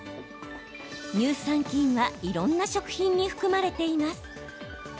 乳酸菌はいろんな食品に含まれています。